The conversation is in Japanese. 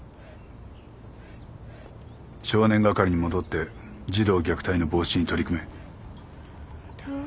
少年係に戻って児童虐待の防止に取り組め。